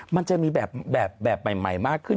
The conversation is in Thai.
มันจะมีแบบใหม่มากขึ้น